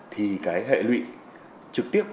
thì cái hệ lụy trực tiếp